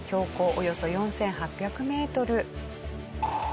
およそ４８００メートル。